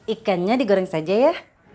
ikennya digoreng saja ya